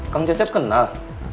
kang cecep kenal